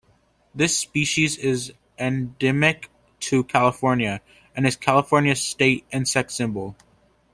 This species is endemic to California, and is California's state insect symbol.